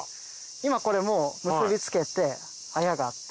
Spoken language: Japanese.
今これ結び付けてあやがあって。